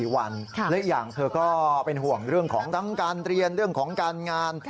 และอีกอย่างเธอก็เป็นห่วงเรื่องของทั้งการเรียนเรื่องของการงาน